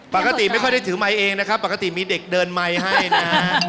ปกติไม่ค่อยได้ถือไมค์เองนะครับปกติมีเด็กเดินไมค์ให้นะฮะ